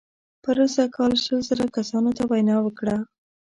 پروسږ کال شل زره کسانو ته وینا وکړه.